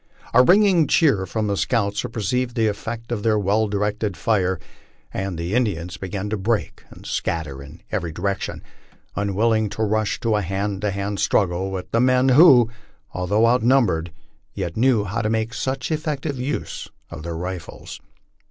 A ringing cheer from the scouts, who perceive the effect of their well directed fire, and the Indians begin to break and scatter in every direction, unwilling to rush to a hand to hand struggle with the men who, although outnumbered, yet knew how to make such effective use of their rifles.